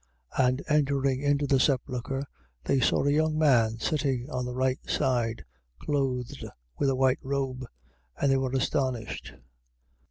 16:5. And entering into the sepulchre, they saw a young man sitting on the right side, clothed with a white robe: and they were astonished.